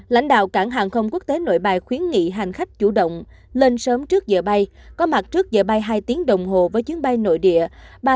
lãnh đạo cảng hàng không quốc tế nội bài khuyến nghị hành khách chủ động lên sớm trước giờ bay có mặt trước giờ bay hai tiếng đồng hồ với chuyến bay nội địa